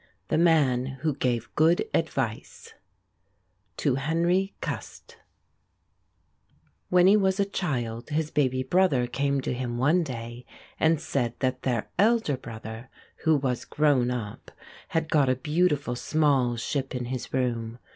THE MAN WHO GAVE GOOD ADVICE To Henry Cust When he was a child his baby brother came to him one day and said that their elder brother, who was grown up, had got a beautiful small ship in his room.